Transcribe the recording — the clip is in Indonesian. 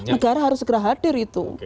negara harus segera hadir itu